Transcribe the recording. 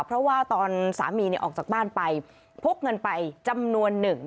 เพราะว่าตอนสามีออกจากบ้านไปพกเงินไปจำนวนหนึ่ง